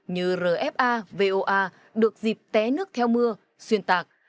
như rfa voa được dịp té nước theo mưa xuyên tạc